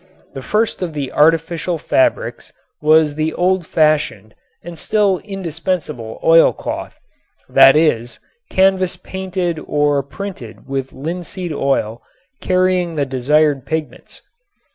The first of the artificial fabrics was the old fashioned and still indispensable oil cloth, that is canvas painted or printed with linseed oil carrying the desired pigments.